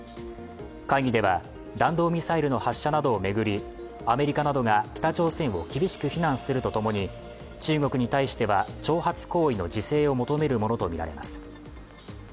会議では、弾道ミサイルの発射などを巡り、アメリカなどが北朝鮮を厳しく非難すると共に、中国に対しては挑発行為の自制を求めるものとみられます。